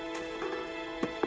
ya yaudah kamu jangan gerak deh ya